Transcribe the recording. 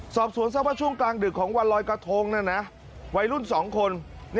สอบสวนทราบว่าช่วงกลางดึกของวันลอยกระทงวัยรุ่น๒คน